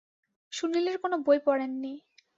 সুনীলের কোনো বই পড়েন নি।